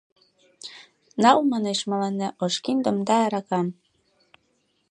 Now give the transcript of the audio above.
Нал, манеш, мыланна ош киндым да аракам.